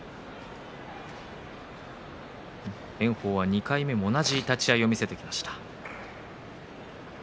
炎鵬は２回目も同じ立ち合いを見せてきました。